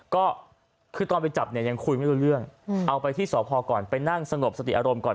ก็คือตอนไปจับเนี่ยยังคุยไม่รู้เรื่องเอาไปที่สพก่อนไปนั่งสงบสติอารมณ์ก่อน